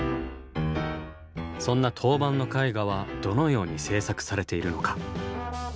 そんな陶板の絵画はどのように製作されているのか。